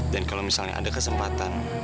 dan kalau misalnya ada kesempatan